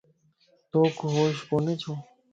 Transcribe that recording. توک ھوش ڪوني ڇو؟